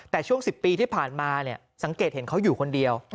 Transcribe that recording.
แต่ช่วง๑๐ปีที่ผ่านมาสังเกตเห็นเขาอยู่คนเดียว